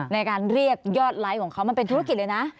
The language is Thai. ในการเรียกยอดไลค์ของเขามันเป็นธุรกิจเลยนะ